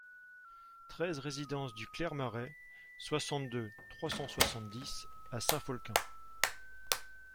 treize résidence du Clair Marais, soixante-deux, trois cent soixante-dix à Saint-Folquin